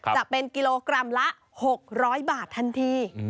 จะเป็นกิโลกรัมละ๖๐๐บาททันที